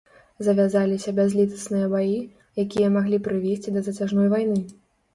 Завязаліся бязлітасныя баі, якія маглі прывесці да зацяжной вайны.